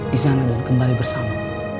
disana dan kembali bersama